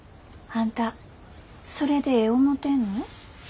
あんたそれでええ思てんの？